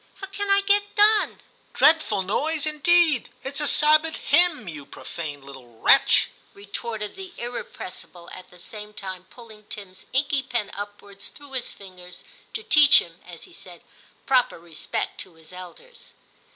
* How can I get done ?'* Dreadful noise, indeed ! it's a Sabbath hymn, you profane little wretch,* retorted the irrepressible, at the same time pulling Tim's inky pen upwards through his fingers, to teach him, as he said, proper respect to his elders.